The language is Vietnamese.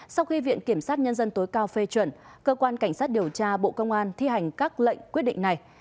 sau khi viện kiểm sát nhân dân tối cao phê chuẩn cơ quan cảnh sát điều tra bộ công an thi hành các lệnh quyết định này